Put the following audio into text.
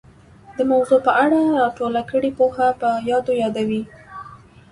د موضوع په اړه را ټوله کړې پوهه په یادو یادوي